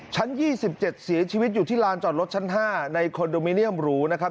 ชั้น๒๗เสียชีวิตอยู่ที่ลานจอดรถชั้น๕ในคอนโดมิเนียมหรูนะครับ